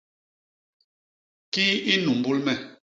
Kii i nnumbul me?